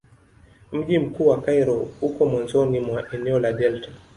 Mji mkuu wa Kairo uko mwanzoni mwa eneo la delta.